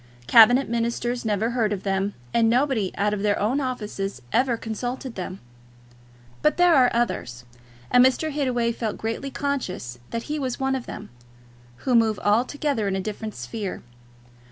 Cabinet ministers never heard of them; and nobody out of their own offices ever consulted them. But there are others, and Mr. Hittaway felt greatly conscious that he was one of them, who move altogether in a different sphere.